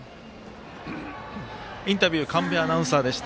インタビュー神戸アナウンサーでした。